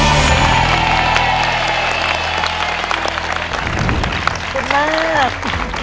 ขอบคุณมาก